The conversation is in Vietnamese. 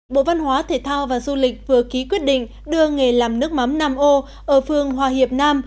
bộ văn hóa thể thao và du lịch vừa ký quyết định đưa nghề làm nước mắm nam âu ở phương hòa hiệp nam